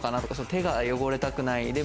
手が汚れたくない。